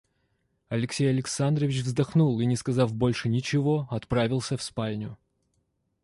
Алексей Александрович вздохнул и, не сказав больше ничего, отправился в спальню.